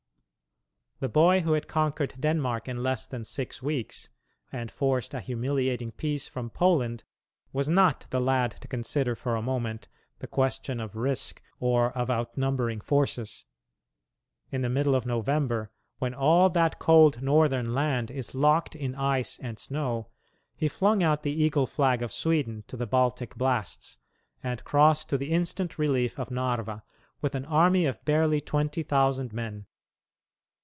The boy who had conquered Denmark in less than six weeks, and forced a humiliating peace from Poland, was not the lad to consider for a moment the question of risk or of outnumbering forces. In the middle of November, when all that cold Northern land is locked in ice and snow, he flung out the eagle flag of Sweden to the Baltic blasts, and crossed to the instant relief of Narva, with an army of barely twenty thousand men.